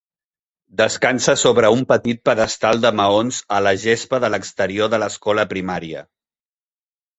Descansa sobre un petit pedestal de maons a la gespa de l'exterior de l'escola primària.